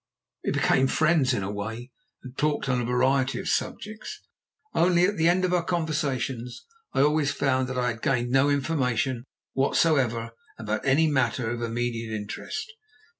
We became friends in a way and talked on a variety of subjects. Only, at the end of our conversations I always found that I had gained no information whatsoever about any matter of immediate interest.